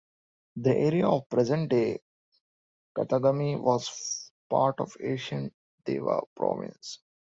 The area of present-day Katagami was part of ancient Dewa Province.